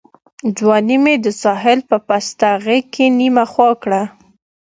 ځواني مي د ساحل په پسته غېږ کي نیمه خوا کړه